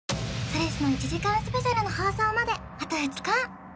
それスノ１時間スペシャルの放送まであと２日！